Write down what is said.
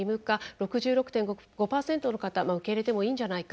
６６．５％の方受け入れてもいいんじゃないか。